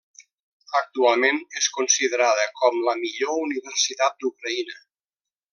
Actualment és considerada com la millor universitat d'Ucraïna.